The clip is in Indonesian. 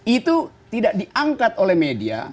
itu tidak diangkat oleh media